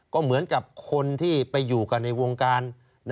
ก็เหมือนกับคนที่ไปอยู่กันในวงการ